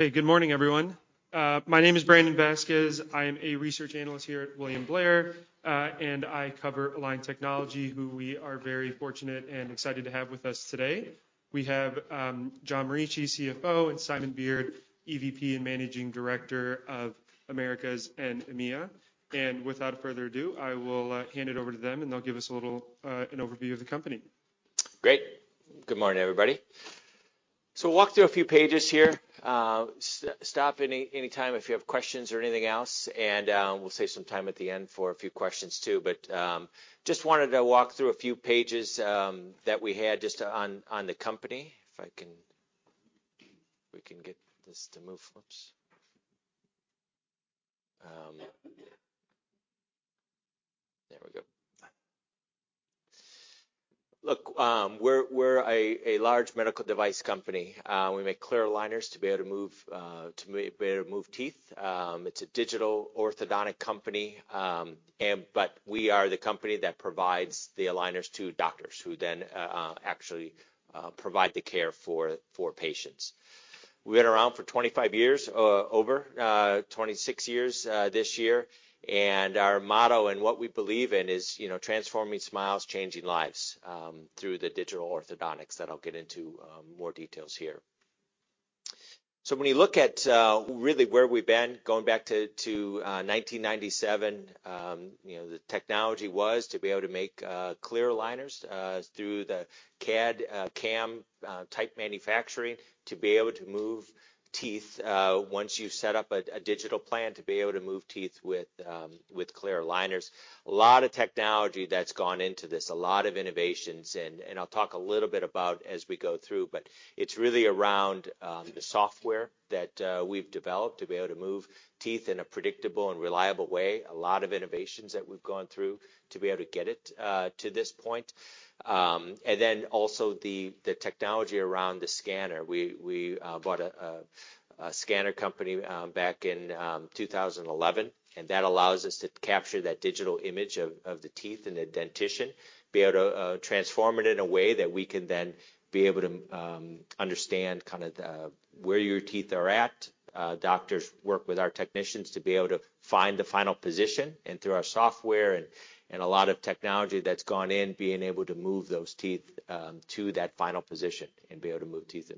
Hey, good morning, everyone. My name is Brandon Vazquez. I am a research analyst here at William Blair, and I cover Align Technology, who we are very fortunate and excited to have with us today. We have John Morici, CFO, and Simon Beard, EVP and Managing Director of Americas and EMEA. Without further ado, I will hand it over to them, and they'll give us a little an overview of the company. Great. Good morning, everybody. Walk through a few pages here. Stop any, anytime if you have questions or anything else, and we'll save some time at the end for a few questions too. Just wanted to walk through a few pages that we had just on the company. If I can, we can get this to move. Whoops! There we go. Look, we're a large medical device company. We make clear aligners to be able to move to be able to move teeth. It's a digital orthodontic company, and but we are the company that provides the aligners to doctors, who then actually provide the care for patients. We've been around for 25 years, over 26 years this year, and our motto and what we believe in is, you know, "transforming smiles, changing lives," through the digital orthodontics, that I'll get into more details here. When you look at, really where we've been, going back to 1997, you know, the technology was to be able to make clear aligners through the CAD/CAM type manufacturing, to be able to move teeth, once you've set up a digital plan, to be able to move teeth with clear aligners. A lot of technology that's gone into this, a lot of innovations, and I'll talk a little bit about as we go through. It's really around the software that we've developed to be able to move teeth in a predictable and reliable way. A lot of innovations that we've gone through to be able to get it to this point. Then also the technology around the scanner. We bought a scanner company back in 2011, and that allows us to capture that digital image of the teeth and the dentition, be able to transform it in a way that we can then be able to understand kind of the, where your teeth are at. Doctors work with our technicians to be able to find the final position, and through our software and a lot of technology that's gone in, being able to move those teeth to that final position and be able to move teeth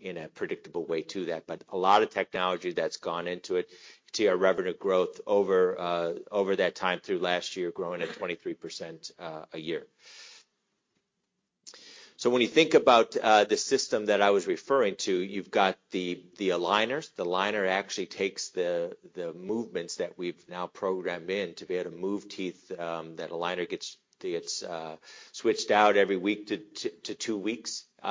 in a predictable way to that. A lot of technology that's gone into it. You can see our revenue growth over that time through last year, growing at 23% a year. When you think about the system that I was referring to, you've got the aligners. The aligner actually takes the movements that we've now programmed in to be able to move teeth. That aligner gets switched out every week to two weeks. New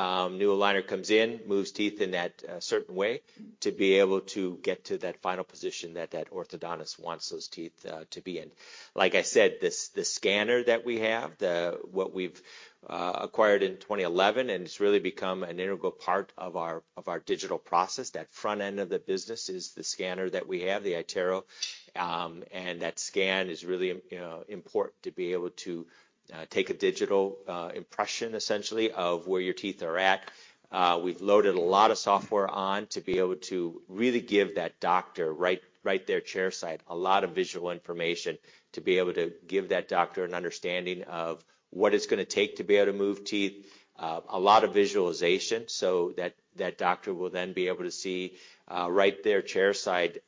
aligner comes in, moves teeth in that certain way to be able to get to that final position that that orthodontist wants those teeth to be in. Like I said, this, the scanner that we have, the, what we've acquired in 2011, and it's really become an integral part of our digital process. That front end of the business is the scanner that we have, the iTero, and that scan is really you know, important to be able to take a digital impression, essentially, of where your teeth are at. We've loaded a lot of software on to be able to really give that doctor, right there chairside, a lot of visual information, to be able to give that doctor an understanding of what it's gonna take to be able to move teeth. A lot of visualization so that that doctor will then be able to see, right there, chairside,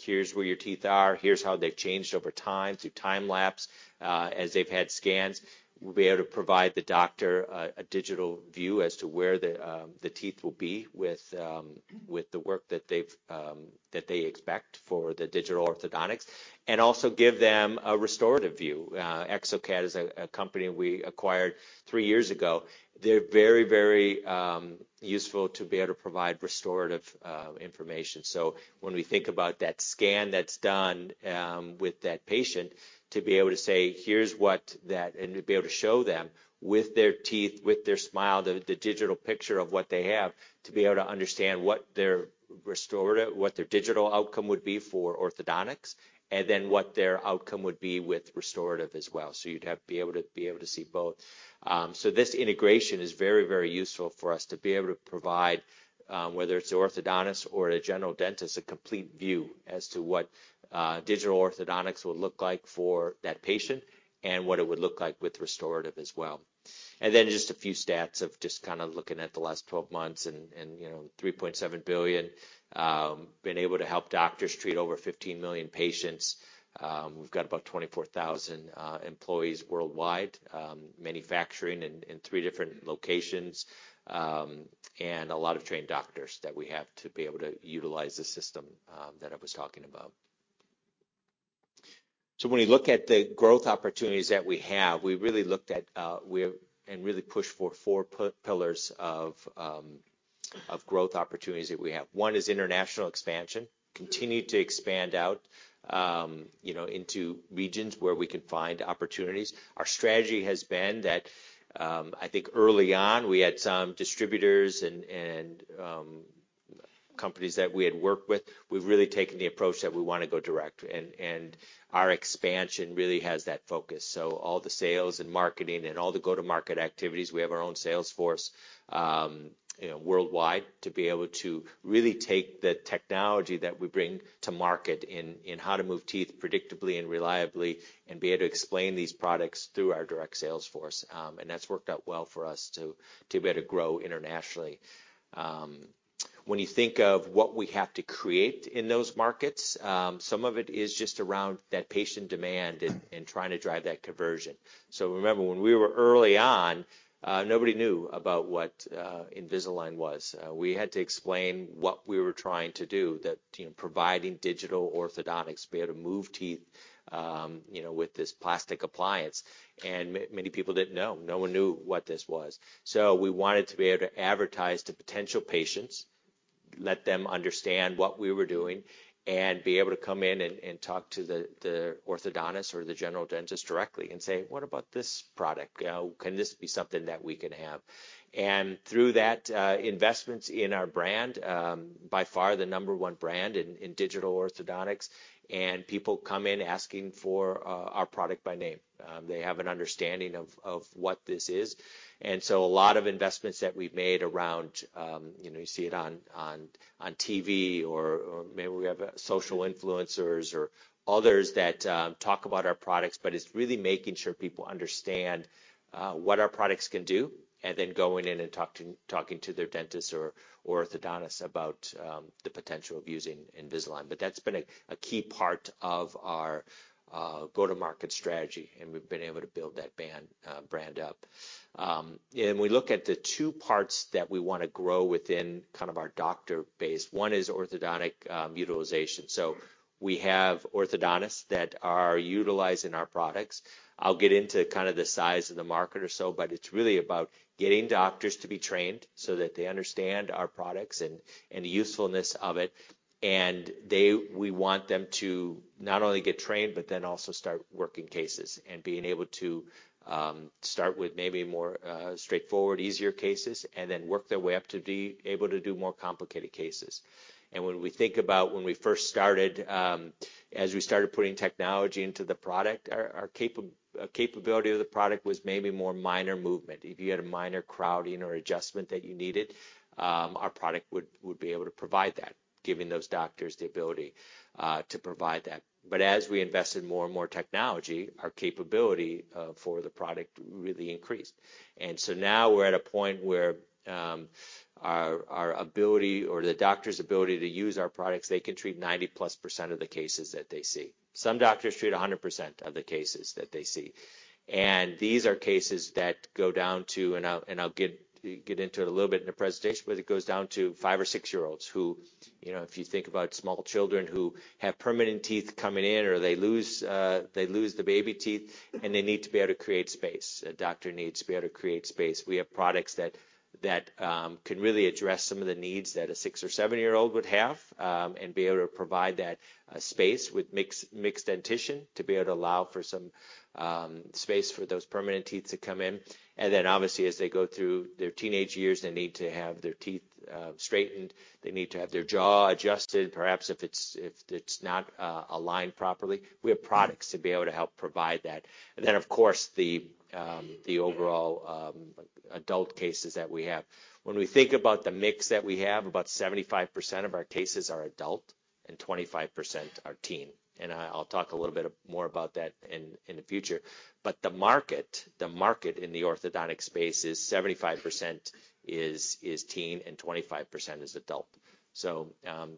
here's where your teeth are, here's how they've changed over time, through Time-Lapse, as they've had scans. We'll be able to provide the doctor a digital view as to where the teeth will be with the work that they've, that they expect for the digital orthodontics, and also give them a restorative view. exocad is a company we acquired three years ago. They're very, very useful to be able to provide restorative information. When we think about that scan that's done, with that patient, to be able to say, "Here's what that..." and to be able to show them with their teeth, with their smile, the digital picture of what they have, to be able to understand what their digital outcome would be for orthodontics, and then what their outcome would be with restorative as well. You'd have, be able to see both. This integration is very, very useful for us to be able to provide, whether it's an orthodontist or a general dentist, a complete view as to what digital orthodontics would look like for that patient and what it would look like with restorative as well. Just a few stats of looking at the last 12 months, you know, $3.7 billion. Been able to help doctors treat over 15 million patients. We've got about 24,000 employees worldwide, manufacturing in three different locations, and a lot of trained doctors that we have to be able to utilize the system that I was talking about. When we look at the growth opportunities that we have, we really looked at, really pushed for four pillars of growth opportunities that we have. One is international expansion. Continue to expand out, you know, into regions where we can find opportunities. Our strategy has been that, I think early on, we had some distributors. Companies that we had worked with, we've really taken the approach that we wanna go direct, and our expansion really has that focus. All the sales and marketing and all the go-to-market activities, we have our own sales force, you know, worldwide, to be able to really take the technology that we bring to market in how to move teeth predictably and reliably, and be able to explain these products through our direct sales force. And that's worked out well for us to be able to grow internationally. When you think of what we have to create in those markets, some of it is just around that patient demand and trying to drive that conversion. Remember, when we were early on, nobody knew about what Invisalign was. We had to explain what we were trying to do, that, you know, providing digital orthodontics, we had to move teeth, you know, with this plastic appliance. Many people didn't know. No one knew what this was. We wanted to be able to advertise to potential patients, let them understand what we were doing, and be able to come in and talk to the orthodontist or the general dentist directly and say, "What about this product? Can this be something that we can have?" Through that, investments in our brand, by far the number one brand in digital orthodontics, and people come in asking for our product by name. They have an understanding of what this is, a lot of investments that we've made around, you know, you see it on TV, or maybe we have social influencers or others that talk about our products, but it's really making sure people understand what our products can do, and then going in and talking to their dentist or orthodontist about the potential of using Invisalign. That's been a key part of our go-to-market strategy, and we've been able to build that brand up. We look at the two parts that we wanna grow within kind of our doctor base. One is Orthodontic Utilization. We have orthodontists that are utilizing our products. I'll get into kind of the size of the market or so, but it's really about getting doctors to be trained so that they understand our products and the usefulness of it. We want them to not only get trained, but then also start working cases and being able to start with maybe more straightforward, easier cases, and then work their way up to be able to do more complicated cases. When we think about when we first started, as we started putting technology into the product, our capability of the product was maybe more minor movement. If you had a minor crowding or adjustment that you needed, our product would be able to provide that, giving those doctors the ability to provide that. As we invested more and more technology, our capability for the product really increased. Now we're at a point where our ability or the doctor's ability to use our products, they can treat 90%+ of the cases that they see. Some doctors treat 100% of the cases that they see, and these are cases that go down to. I'll get into it a little bit in the presentation, but it goes down to five or six-year-olds who, you know, if you think about small children who have permanent teeth coming in, or they lose the baby teeth, and they need to be able to create space, a doctor needs to be able to create space. We have products that can really address some of the needs that a six or seven-year-old would have and be able to provide that space with mixed dentition, to be able to allow for some space for those permanent teeth to come in. Then obviously, as they go through their teenage years, they need to have their teeth straightened. They need to have their jaw adjusted, perhaps if it's not aligned properly. We have products to be able to help provide that. Then, of course, the overall adult cases that we have. When we think about the mix that we have, about 75% of our cases are adult and 25% are teen, and I'll talk a little bit more about that in the future. The market in the orthodontic space is 75% is teen, and 25% is adult.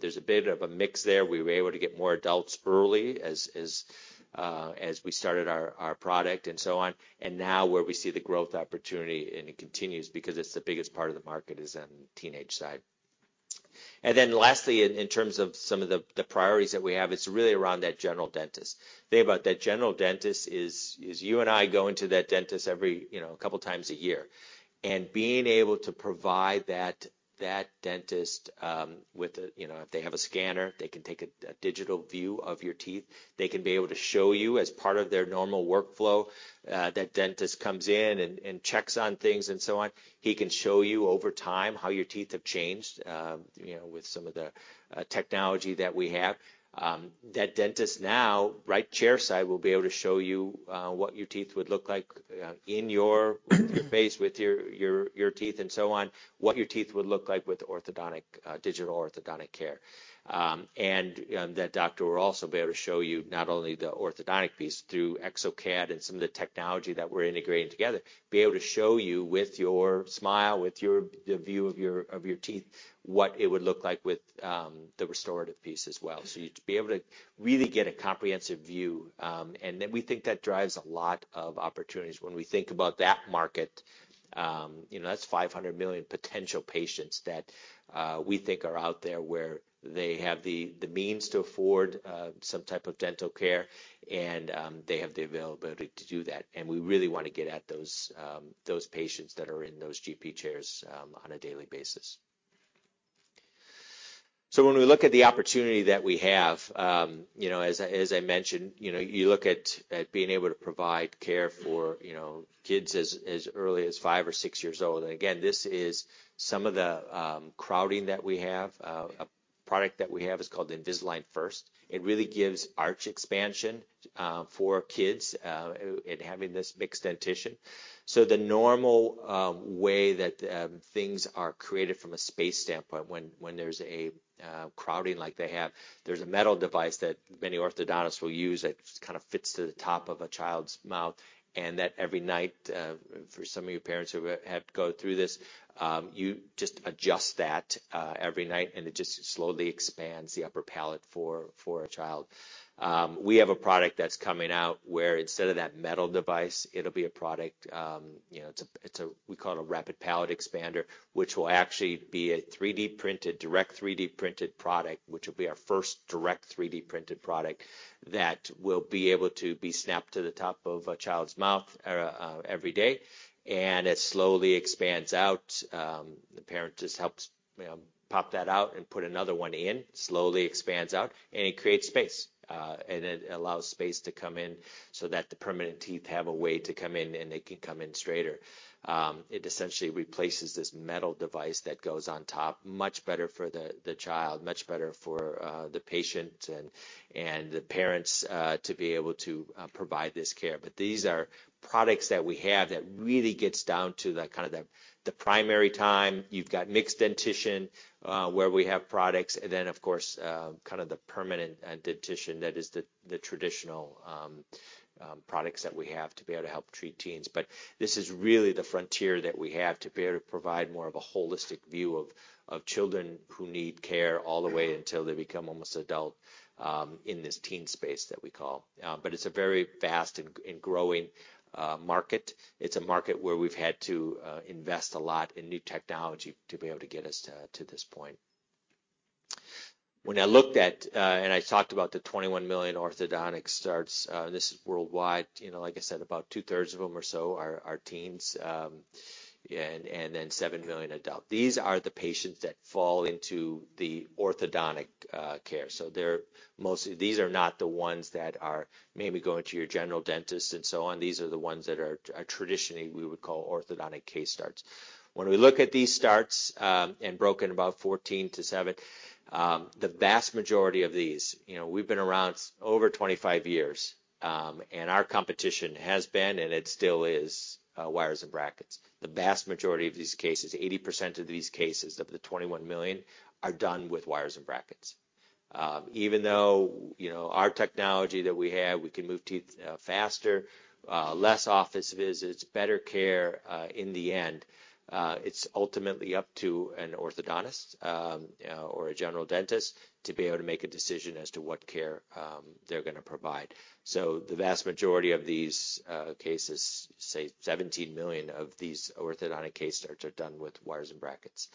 There's a bit of a mix there. We were able to get more adults early as we started our product and so on, and now where we see the growth opportunity, and it continues because it's the biggest part of the market, is on the teenage side. Lastly, in terms of some of the priorities that we have, it's really around that general dentist. Think about that general dentist is you and I going to that dentist every, you know, couple times a year, and being able to provide that dentist with a. You know, if they have a scanner, they can take a digital view of your teeth. They can be able to show you as part of their normal workflow, that dentist comes in and checks on things and so on. He can show you over time how your teeth have changed, you know, with some of the technology that we have. That dentist now, right chairside, will be able to show you what your teeth would look like in your face, with your teeth and so on, what your teeth would look like with orthodontic digital orthodontic care. That doctor will also be able to show you not only the orthodontic piece through exocad and some of the technology that we're integrating together, be able to show you with your smile, with your, the view of your teeth, what it would look like with the restorative piece as well. You'd be able to really get a comprehensive view, and then we think that drives a lot of opportunities. When we think about that market, you know, that's 500 million potential patients that we think are out there, where they have the means to afford some type of dental care, and they have the availability to do that, and we really wanna get at those patients that are in those GP chairs on a daily basis. When we look at the opportunity that we have, you know, as I mentioned, you know, you look at being able to provide care for, you know, kids as early as five or six years old. Again, this is some of the crowding that we have. A product that we have is called Invisalign First. It really gives arch expansion for kids in having this mixed dentition. The normal way that things are created from a space standpoint, when there's a crowding like they have, there's a metal device that many orthodontists will use that kind of fits to the top of a child's mouth. Every night, for some of you parents who have had to go through this, you just adjust that every night. It just slowly expands the upper palate for a child. We have a product that's coming out, where instead of that metal device, it'll be a product, you know, we call it a Rapid Palatal Expander, which will actually be a 3D-printed, direct 3D-printed product, which will be our first direct 3D printed product, that will be able to be snapped to the top of a child's mouth every day. It slowly expands out. The parent just helps, you know, pop that out and put another one in. Slowly expands out, and it creates space, and it allows space to come in so that the permanent teeth have a way to come in. They can come in straighter. It essentially replaces this metal device that goes on top. Much better for the child, much better for the patient, and the parents to be able to provide this care. These are products that we have that really gets down to the kind of the primary time. You've got mixed dentition, where we have products and then, of course, kind of the permanent dentition, that is the traditional products that we have to be able to help treat teens. This is really the frontier that we have to be able to provide more of a holistic view of children who need care all the way until they become almost adult in this teen space that we call. It's a very vast and growing market. It's a market where we've had to invest a lot in new technology to be able to get us to this point. When I looked at, I talked about the 21 million orthodontic starts, this is worldwide. You know, like I said, about 2/3 of them or so are teens, yeah, and then 7 million adult. These are the patients that fall into the orthodontic care, so they're mostly. These are not the ones that are maybe going to your general dentist and so on. These are the ones that are traditionally we would call orthodontic case starts. When we look at these starts, and broken about 14-7, the vast majority of these. You know, we've been around over 25 years, and our competition has been, and it still is, wires and brackets. The vast majority of these cases, 80% of these cases, of the 21 million, are done with wires and brackets. Even though, you know, our technology that we have, we can move teeth faster, less office visits, better care in the end, it's ultimately up to an orthodontist or a general dentist to be able to make a decision as to what care they're gonna provide. The vast majority of these cases, say, 17 million of these orthodontic case starts, are done with wires and brackets.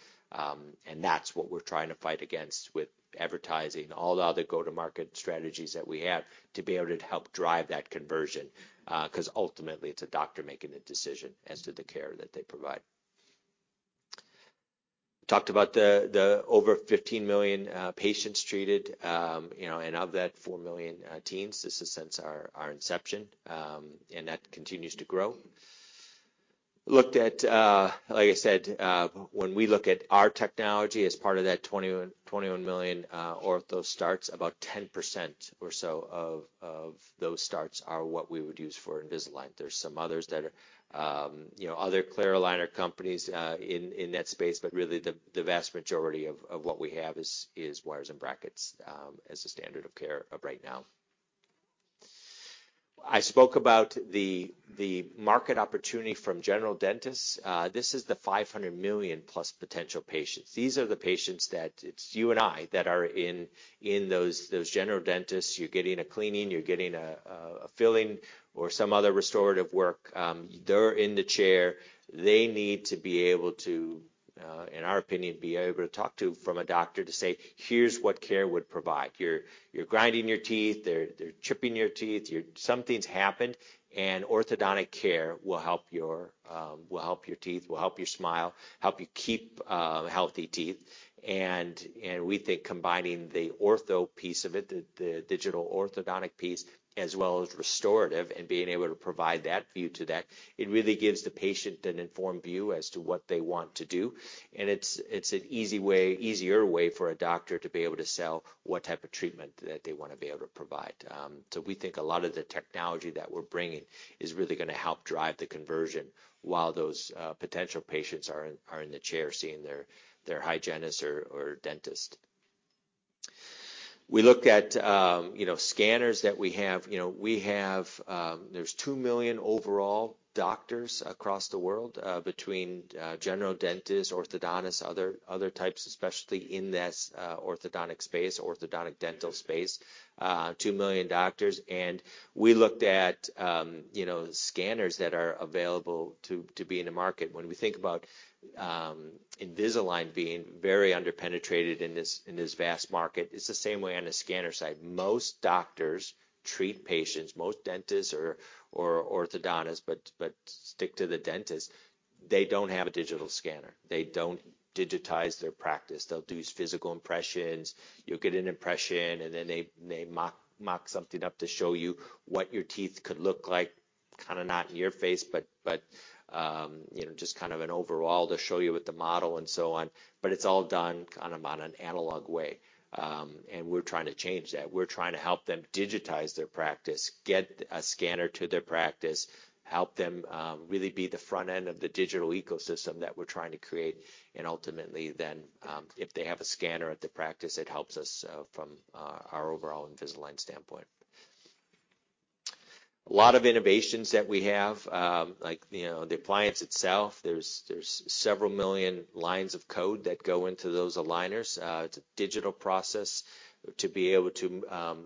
That's what we're trying to fight against with advertising, all the other go-to-market strategies that we have, to be able to help drive that conversion because ultimately, it's a doctor making the decision as to the care that they provide. Talked about the over 15 million patients treated. You know, and of that, four million teens. This is since our inception, and that continues to grow. Like I said, when we look at our technology as part of that 21 million ortho starts, about 10% or so of those starts are what we would use for Invisalign. There's some others that, you know, other clear aligner companies in that space, but really, the vast majority of what we have is wires and brackets as the standard of care of right now. I spoke about the market opportunity from general dentists. This is the $500 million plus potential patients. These are the patients that it's you and I that are in those general dentists. You're getting a cleaning, you're getting a filling or some other restorative work. They're in the chair. They need to be able to, in our opinion, be able to talk to, from a doctor to say, "Here's what care would provide. You're grinding your teeth, you're chipping your teeth, something's happened, and orthodontic care will help your, will help your teeth, will help your smile, help you keep healthy teeth." We think combining the ortho piece of it, the digital orthodontic piece, as well as restorative, and being able to provide that view to that, it really gives the patient an informed view as to what they want to do. It's an easy way, easier way for a doctor to be able to sell what type of treatment that they want to be able to provide. We think a lot of the technology that we're bringing is really gonna help drive the conversion while those potential patients are in the chair, seeing their hygienist or dentist. We looked at, you know, scanners that we have. You know, we have, there's two million overall doctors across the world, between general dentists, orthodontists, other types, especially in this orthodontic space, orthodontic dental space, two million doctors. We looked at, you know, scanners that are available to be in the market. When we think about Invisalign being very underpenetrated in this vast market, it's the same way on the scanner side. Most doctors treat patients, most dentists or orthodontists, but stick to the dentist. They don't have a digital scanner. They don't digitize their practice. They'll do physical impressions. You'll get an impression, and then they mock something up to show you what your teeth could look like. Kinda not your face, but, you know, just kind of an overall to show you with the model and so on. It's all done kind of on an analog way, and we're trying to change that. We're trying to help them digitize their practice, get a scanner to their practice, help them really be the front end of the digital ecosystem that we're trying to create. Ultimately then, if they have a scanner at the practice, it helps us from our overall Invisalign standpoint. A lot of innovations that we have, like, you know, the appliance itself, there's several million lines of code that go into those aligners. It's a digital process to be able to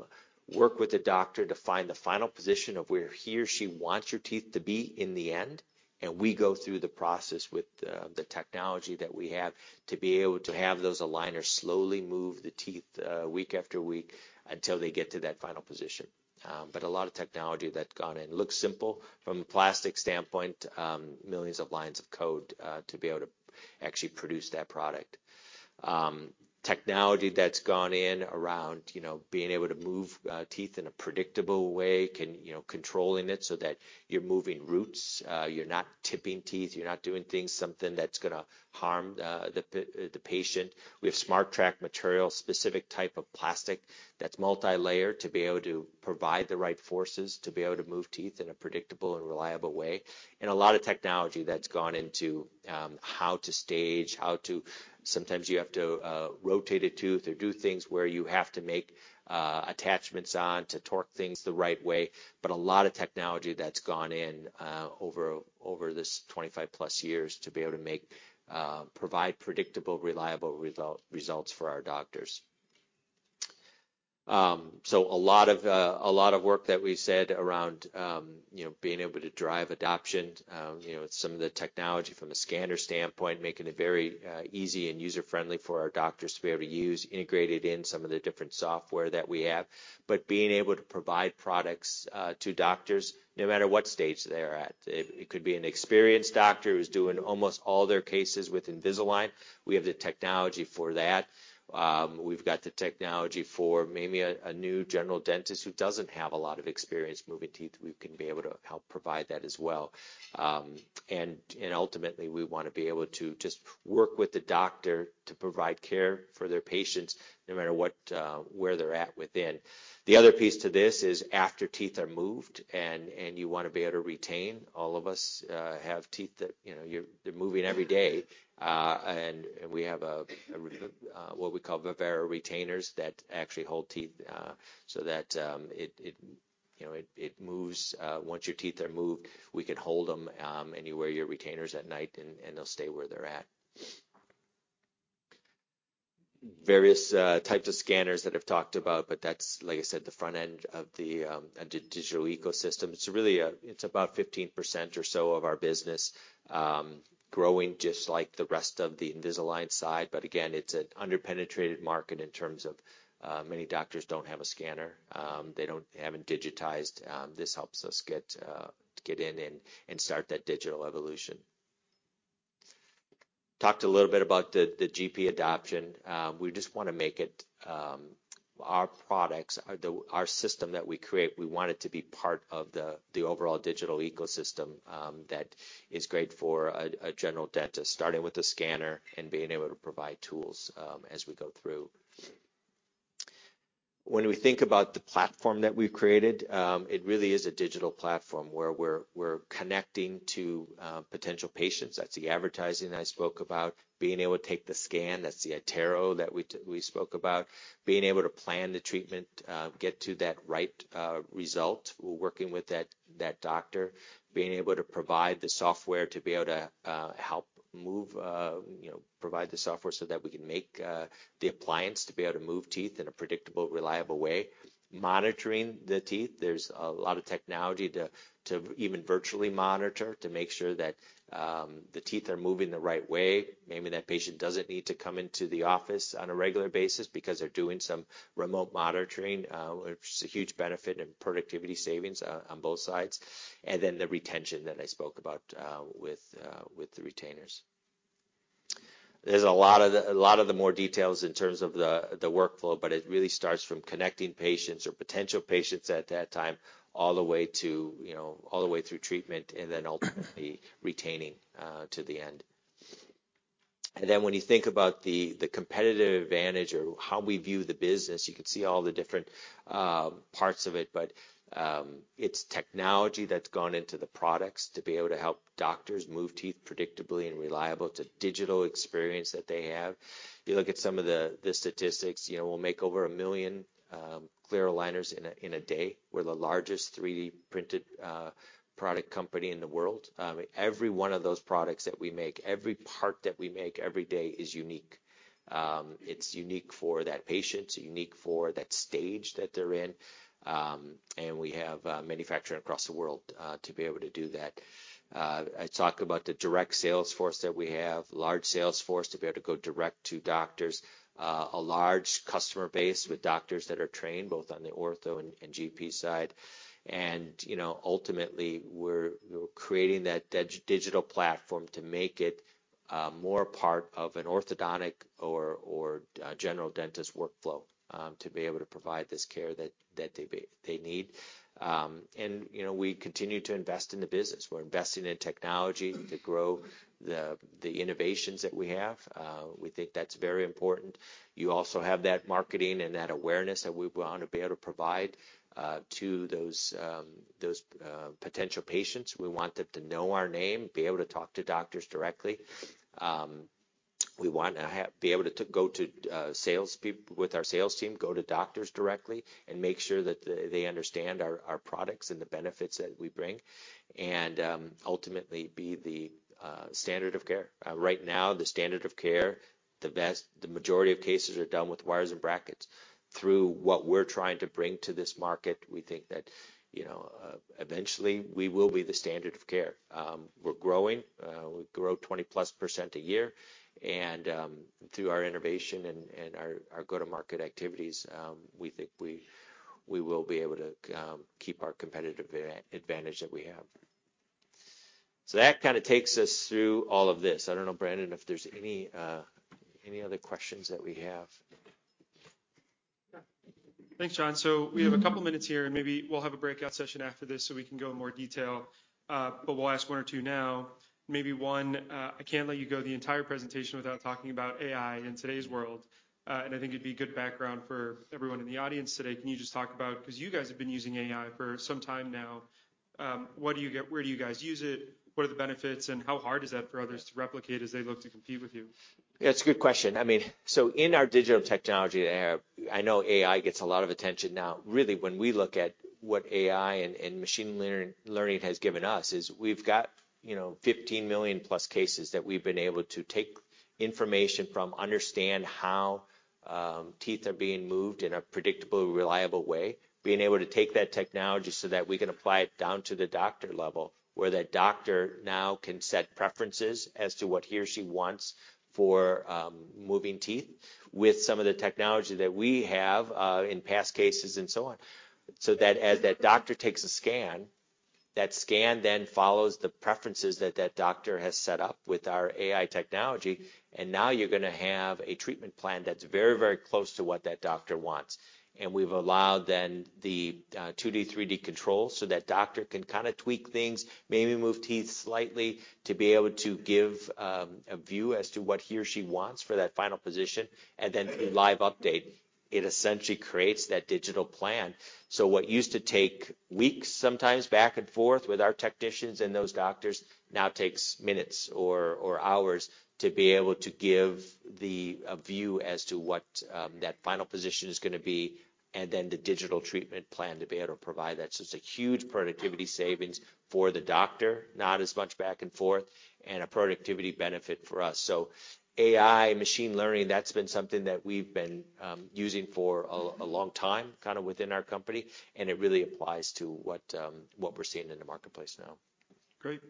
work with the doctor to find the final position of where he or she wants your teeth to be in the end, and we go through the process with the technology that we have to be able to have those aligners slowly move the teeth week after week until they get to that final position. A lot of technology that's gone in. It looks simple from a plastic standpoint, millions of lines of code to be able to actually produce that product. Technology that's gone in around, you know, being able to move teeth in a predictable way, you know, controlling it so that you're moving roots, you're not tipping teeth, you're not doing things, something that's gonna harm the patient. We have SmartTrack material, specific type of plastic that's multilayered to be able to provide the right forces, to be able to move teeth in a predictable and reliable way. A lot of technology that's gone into how to stage, Sometimes you have to rotate a tooth or do things where you have to make attachments on to torque things the right way, A lot of technology that's gone in over this 25+ years to be able to make provide predictable, reliable results for our doctors. A lot of a lot of work that we've said around, you know, being able to drive adoption. You know, with some of the technology from a scanner standpoint, making it very easy and user-friendly for our doctors to be able to use, integrated in some of the different software that we have. But being able to provide products to doctors, no matter what stage they're at. It could be an experienced doctor who's doing almost all their cases with Invisalign. We have the technology for that. We've got the technology for maybe a new general dentist who doesn't have a lot of experience moving teeth. We can be able to help provide that as well. And ultimately, we wanna be able to just work with the doctor to provide care for their patients no matter what where they're at within. The other piece to this is after teeth are moved and you wanna be able to retain. All of us have teeth that, you know, they're moving every day. We have what we call Vivera retainers that actually hold teeth so that, you know, it moves. Once your teeth are moved, we can hold them. You wear your retainers at night, and they'll stay where they're at. Various types of scanners that I've talked about, that's, like I said, the front end of the digital ecosystem. It's really, it's about 15% or so of our business, growing just like the rest of the Invisalign side. Again, it's an underpenetrated market in terms of many doctors don't have a scanner. They haven't digitized. This helps us get in and start that digital evolution. Talked a little bit about the GP adoption. We just wanna make it. Our products, our system that we create, we want it to be part of the overall digital ecosystem that is great for a general dentist, starting with the scanner and being able to provide tools as we go through. When we think about the platform that we've created, it really is a digital platform where we're connecting to potential patients. That's the advertising I spoke about. Being able to take the scan, that's the iTero that we spoke about. Being able to plan the treatment, get to that right result, working with that doctor. Being able to provide the software to be able to, you know, provide the software so that we can make the appliance to be able to move teeth in a predictable, reliable way. Monitoring the teeth, there's a lot of technology to even virtually monitor, to make sure that the teeth are moving the right way. Maybe that patient doesn't need to come into the office on a regular basis because they're doing some remote monitoring, which is a huge benefit and productivity savings on both sides. Then the retention that I spoke about with the retainers. There's a lot of the more details in terms of the workflow, but it really starts from connecting patients or potential patients at that time, all the way to, you know, all the way through treatment, and then ultimately retaining to the end. When you think about the competitive advantage or how we view the business, you can see all the different parts of it. It's technology that's gone into the products to be able to help doctors move teeth predictably and reliable. It's a digital experience that they have. You look at some of the statistics, you know, we'll make over 1 million clear aligners in a day. We're the largest 3D-printed product company in the world. Every one of those products that we make, every part that we make every day is unique. It's unique for that patient. It's unique for that stage that they're in. We have manufacturing across the world to be able to do that. I talk about the direct sales force that we have, large sales force to be able to go direct to doctors. A large customer base with doctors that are trained both on the ortho and GP side. You know, ultimately, we're creating that digital platform to make it more part of an orthodontic or general dentist workflow to be able to provide this care that they need. You know, we continue to invest in the business. We're investing in technology to grow the innovations that we have. We think that's very important. You also have that marketing and that awareness that we wanna be able to provide to those potential patients. We want them to know our name, be able to talk to doctors directly. We wanna be able to go to with our sales team, go to doctors directly, and make sure that they understand our products and the benefits that we bring, and ultimately, be the standard of care. Right now, the standard of care, the majority of cases are done with wires and brackets. Through what we're trying to bring to this market, we think that, you know, eventually, we will be the standard of care. We're growing, we grow 20%+ a year. Through our innovation and our go-to-market activities, we think we will be able to keep our competitive advantage that we have. That kinda takes us through all of this. I don't know, Brandon, if there's any other questions that we have? Yeah. Thanks, John. We have a couple minutes here, and maybe we'll have a breakout session after this so we can go in more detail. We'll ask one or two now. Maybe one, I can't let you go the entire presentation without talking about AI in today's world, and I think it'd be good background for everyone in the audience today. Can you just talk about, 'cause you guys have been using AI for some time now, where do you guys use it? What are the benefits, and how hard is that for others to replicate as they look to compete with you? Yeah, it's a good question. I mean, in our digital technology, I know AI gets a lot of attention now. Really, when we look at what AI and machine learning has given us, is we've got, you know, 15 million+ cases that we've been able to take information from, understand how teeth are being moved in a predictable, reliable way. Being able to take that technology so that we can apply it down to the doctor level, where that doctor now can set preferences as to what he or she wants for moving teeth, with some of the technology that we have in past cases and so on. That as that doctor takes a scan, that scan then follows the preferences that that doctor has set up with our AI technology, and now you're gonna have a treatment plan that's very, very close to what that doctor wants. We've allowed then the 2D, 3D control, so that doctor can kinda tweak things, maybe move teeth slightly, to be able to give a view as to what he or she wants for that final position, and then through Live Update, it essentially creates that digital plan. What used to take weeks, sometimes back and forth with our technicians and those doctors, now takes minutes or hours to be able to give the, a view as to what that final position is gonna be, and then the digital treatment plan to be able to provide that. It's a huge productivity savings for the doctor, not as much back and forth, and a productivity benefit for us. AI, machine learning, that's been something that we've been using for a long time, kinda within our company, and it really applies to what we're seeing in the marketplace now. Great.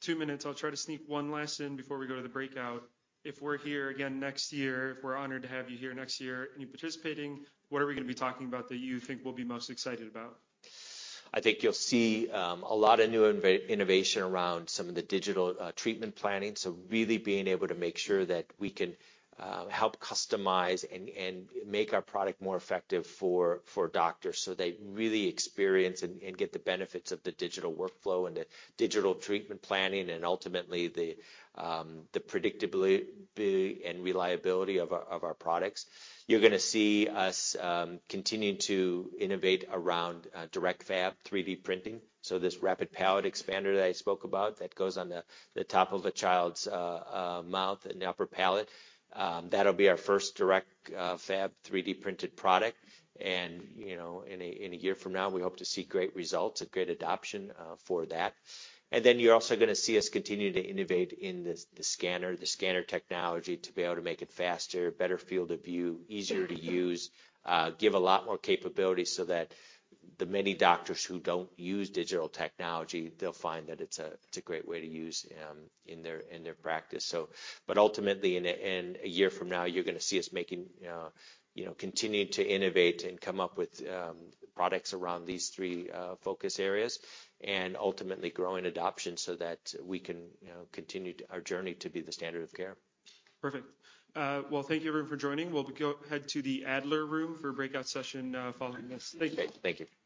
Two minutes. I'll try to sneak one last in before we go to the breakout. If we're here again next year, if we're honored to have you here next year, and you're participating, what are we gonna be talking about that you think we'll be most excited about? I think you'll see a lot of new innovation around some of the digital treatment planning. Really being able to make sure that we can help customize and make our product more effective for doctors, so they really experience and get the benefits of the digital workflow and the digital treatment planning, and ultimately, the predictability and reliability of our products. You're gonna see us continuing to innovate around DirectFab 3D printing. This Rapid Palatal Expander that I spoke about, that goes on the top of a child's mouth and the upper palate, that'll be our first DirectFab 3D-printed product. You know, in a year from now, we hope to see great results and great adoption for that. Then, you're also gonna see us continuing to innovate in the scanner technology, to be able to make it faster, better field of view, easier to use, give a lot more capability so that the many doctors who don't use digital technology, they'll find that it's a great way to use in their practice. But ultimately, in a year from now, you're gonna see us making, you know, continuing to innovate and come up with products around these three focus areas, and ultimately growing adoption so that we can, you know, continue our journey to be the standard of care. Perfect. Well, thank you, everyone, for joining. We'll go ahead to the Adler Room for a breakout session, following this. Thank you. Thank you.